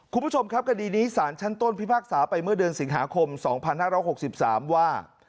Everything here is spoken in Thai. คุณผู้ชมครับคดีนี้สารชั้นต้นพิพากษาไปเมื่อเดือนสิงหาคม๒๕๖๓ว่า